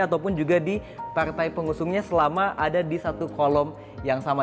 ataupun juga di partai pengusungnya selama ada di satu kolom yang sama